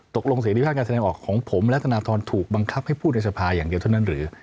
เสรีภาพการแสดงออกของผมและธนทรถูกบังคับให้พูดในสภาอย่างเดียวเท่านั้นหรือ